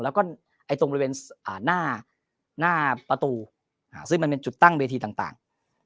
แล้วก็ตรงบริเวณหน้าประตูซึ่งมันเป็นจุดตั้งเวทีต่าง